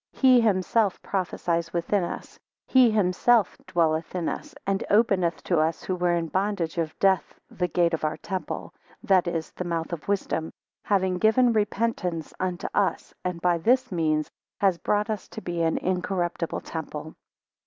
He himself prophesies within us, he himself dwelleth in us, and openeth to us who were in bondage of death the gate of our temple, that is, the mouth of wisdom, having given repentance unto us; and by this means has brought us to be an incorruptible temple.